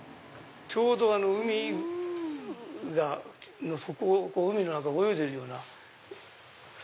ちょうど海の中を泳いでるような。